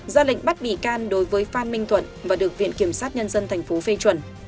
ra lệnh bắt bị can đối với phan minh thuận và được viện kiểm sát nhân dân tp phê chuẩn